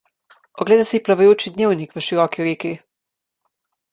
Oglejte si plavajoči dnevnik v široki reki.